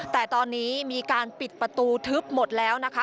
แต่ตอนนี้มีการปิดประตูทึบหมดแล้วนะคะ